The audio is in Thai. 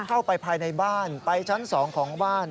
เข้าไปภายในบ้านไปชั้น๒ของบ้าน